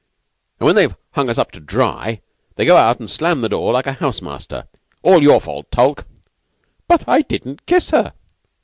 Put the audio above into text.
And when they've hung us up to dry, they go out and slam the door like a house master. All your fault, Tulke." "But I didn't kiss her."